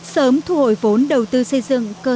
sớm thu hồi vốn đầu tư xây dựng cơ sở hạ tầng ao nuôi